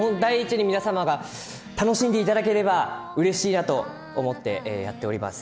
皆さんが楽しんでくださればうれしいなと思ってやっております。